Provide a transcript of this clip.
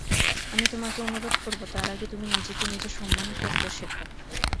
আমি তোমাকে অনুরোধ করব, তার আগে তুমি নিজেকে নিজে সম্মান করতে শেখ।